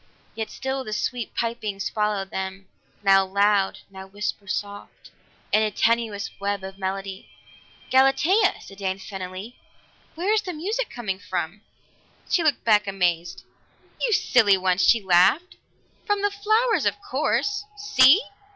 Yet still the sweet pipings followed them, now loud, now whisper soft, in a tenuous web of melody. "Galatea!" said Dan suddenly. "Where is the music coming from?" She looked back amazed. "You silly one!" she laughed. "From the flowers, of course. See!"